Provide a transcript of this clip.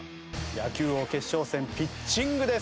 野球王決勝戦ピッチングです。